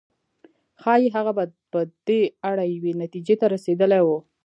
ښايي هغه به په دې اړه یوې نتيجې ته رسېدلی و.